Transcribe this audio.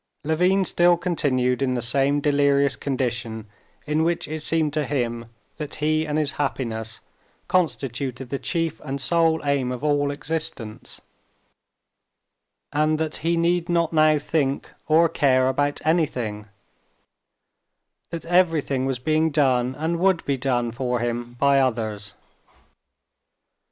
Levin still continued in the same delirious condition in which it seemed to him that he and his happiness constituted the chief and sole aim of all existence, and that he need not now think or care about anything, that everything was being done and would be done for him by others.